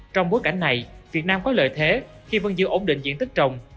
trong bối cảnh này việt nam có lợi thế khi vẫn giữ ổn định diện tích trồng